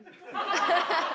アハハッ。